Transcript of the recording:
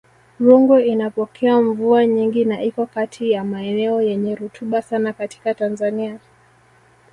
Rungwe inapokea mvua nyingi na iko kati ya maeneo yenye rutuba sana katika Tanzania